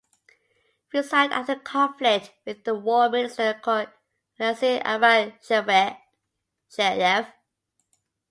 Resigned after a conflict with the War Minister Count Alexey Arakcheyev.